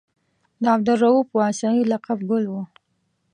د عبدالرؤف واسعي لقب ګل و.